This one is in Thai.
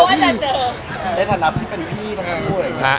ในสนับสิบการณีพี่ตรงนุ่ม